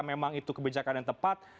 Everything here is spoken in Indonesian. memang itu kebijakan yang tepat